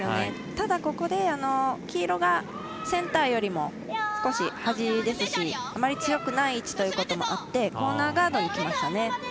ただ、ここで黄色がセンターよりも少し端ですしあまり強くない位置ということもあってコーナーガードにきましたね。